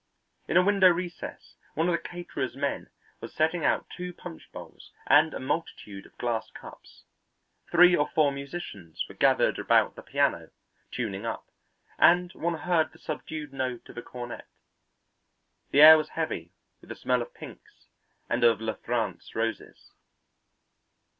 In a window recess one of the caterer's men was setting out two punch bowls and a multitude of glass cups; three or four musicians were gathered about the piano, tuning up, and one heard the subdued note of a cornet; the air was heavy with the smell of pinks and of La France roses.